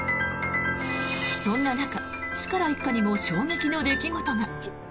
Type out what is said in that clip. そんな中、チカラ一家にも衝撃の出来事が。